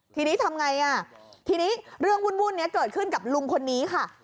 ทีนี้ทำไงอ่ะทีนี้เรื่องวุ่นนี้เกิดขึ้นกับลุงคนนี้ค่ะ